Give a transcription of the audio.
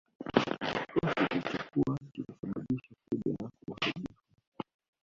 Kikosi kilichokuwa kikisababisha fujo na uharibifu